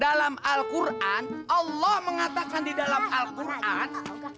dalam al quran allah mengatakan di dalam al quran